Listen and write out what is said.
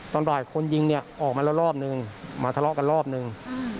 ตอนบ่ายคนยิงเนี่ยออกมาแล้วรอบนึงมาทะเลาะกันรอบนึง